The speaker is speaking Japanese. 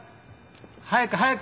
早く早く！